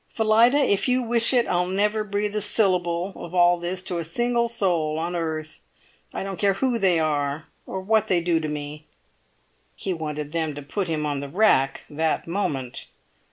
"Phillida, if you wish it, I'll never breathe a syllable of all this to a single soul on earth, I don't care who they are, or what they do to me!" He wanted them to put him on the rack that moment.